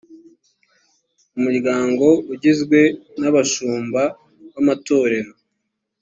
umuryango ugizwe n abashumba b amatorero